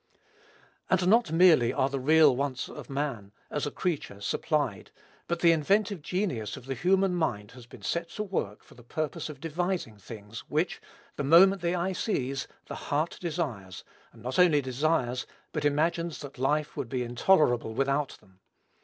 And not merely are the real wants of man, as a creature, supplied, but the inventive genius of the human mind has been set to work for the purpose of devising things, which, the moment the eye sees, the heart desires, and not only desires, but imagines that life would be intolerable without them.